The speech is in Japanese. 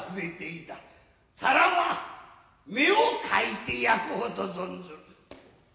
さらば目をかいて焼こうと存ずる。